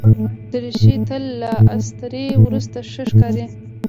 دریشي تل له استري وروسته ښه ښکاري.